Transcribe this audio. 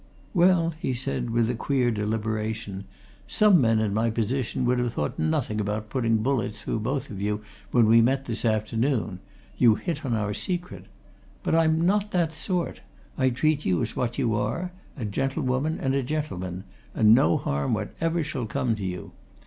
"Well," he said, with a queer deliberation. "Some men in my position would have thought nothing about putting bullets through both of you when we met this afternoon you hit on our secret. But I'm not that sort I treat you as what you are, a gentlewoman and a gentleman, and no harm whatever shall come to you.